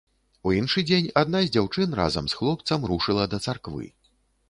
У іншы дзень адна з дзяўчын разам з хлопцам рушыла да царквы.